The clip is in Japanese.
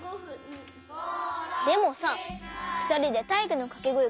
でもさふたりでたいいくのかけごえ